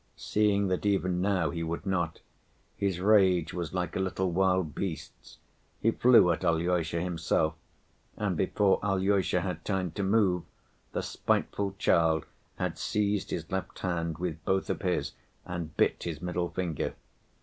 Seeing that even now he would not, his rage was like a little wild beast's; he flew at Alyosha himself, and before Alyosha had time to move, the spiteful child had seized his left hand with both of his and bit his middle finger.